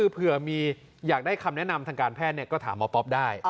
เผื่อมีอยากได้คำแนะนำทางการแพทย์ก็ถามหมอป๊อปได้